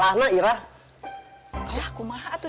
enggak bener enggak